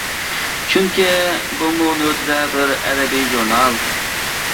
چۈنكى، بۇمۇ نۆۋىتىدە بىر ئەدەبىي ژۇرنال.